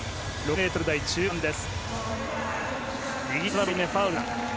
６ｍ台中盤です。